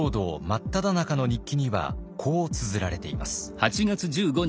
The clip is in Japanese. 真っただ中の日記にはこうつづられています。